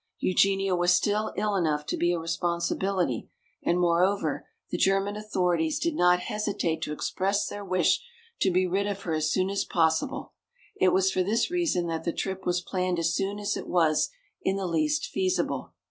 Eugenia was still ill enough to be a responsibility, and, moreover, the German authorities did not hesitate to express their wish to be rid of her as soon as possible. It was for this reason that the trip was planned as soon as it was in the least feasible.